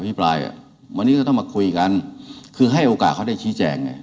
พี่ปรายอ่ะวันนี้ก็ต้องมาคุยกันคือให้โอกาสเขาได้ชี้แจงไง